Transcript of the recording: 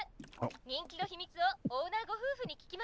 人気の秘密をオーナーごふうふに聞きます」。